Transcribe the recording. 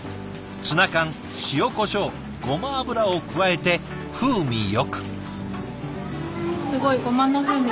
ツナ缶塩コショウゴマ油を加えて風味よく。